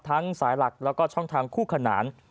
สายหลักแล้วก็ช่องทางคู่ขนาน